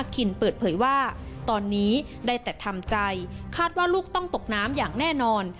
คาดว่าลูกต้องตกน้ำอย่างแน่นอน